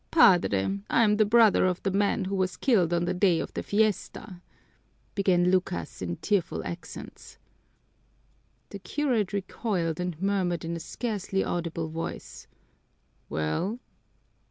"Padre, I'm the brother of the man who was killed on the day of the fiesta," began Lucas in tearful accents. The curate recoiled and murmured in a scarcely audible voice, "Well?"